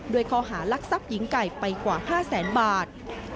ข้อหารักทรัพย์หญิงไก่ไปกว่า๕แสนบาท